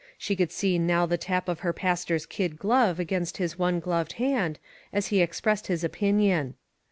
She could see now the tap of her pastor's kid glove against his one gloved hand, as he expressed his opinion.